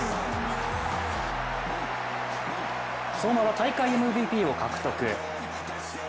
相馬は大会ＭＶＰを獲得。